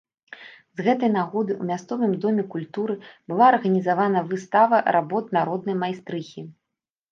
З гэтай нагоды ў мясцовым доме культуры была арганізавана выстава работ народнай майстрыхі.